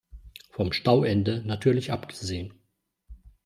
Vom Stauende natürlich abgesehen.